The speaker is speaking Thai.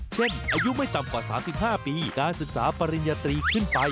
อายุไม่ต่ำกว่า๓๕ปีการศึกษาปริญญาตรีขึ้นไป